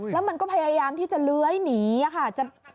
แล้วมันก็พยายามที่จะเลื้อยหนีค่ะ